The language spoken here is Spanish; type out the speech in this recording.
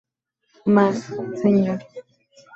Más, Señor.